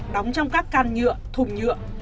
đóng trong các can nhựa thùng nhựa